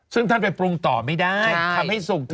ซึ่งท่านไปปรุงต่อไม่ได้ทำให้สุก